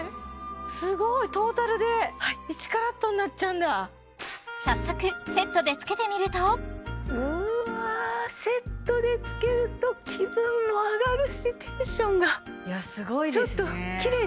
すごいトータルで１ｃｔになっちゃうんだ早速セットでつけてみるとうわあセットでつけると気分も上がるしテンションがいやすごいですねいや